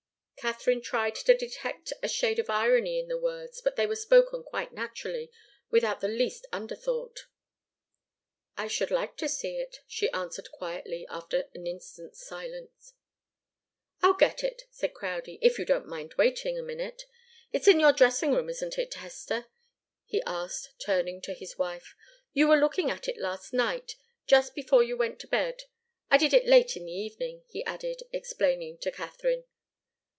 Katharine tried to detect a shade of irony in the words; but they were spoken quite naturally, without the least underthought. "I should like to see it," she answered, quietly, after an instant's silence. "I'll get it," said Crowdie, "if you don't mind waiting a minute. It's in your dressing room, isn't it, Hester?" he asked, turning to his wife. "You were looking at it last night, just before you went to bed. I did it late in the evening," he added, explaining to Katharine.